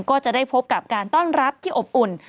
ก็จะได้พบกับการต้อนรับที่อบอุ่น